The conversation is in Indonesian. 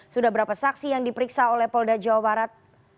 sudah berapa saksi yang diperiksa oleh polda jawa barat